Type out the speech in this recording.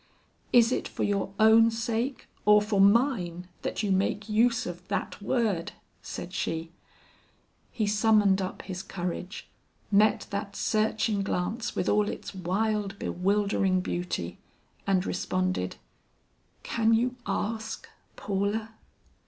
"Is it for your own sake or for mine, that you make use of that word?" said she. He summoned up his courage, met that searching glance with all its wild, bewildering beauty, and responded, "Can you ask, Paula?"